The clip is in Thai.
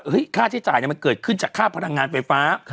ก็คือว่าค่าใช้จ่ายก็เกิดขึ้นจากค่าพนักงานไฟฟ้า